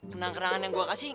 kenang kenangan yang gue kasih